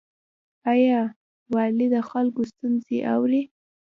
آیا والي د خلکو ستونزې اوري؟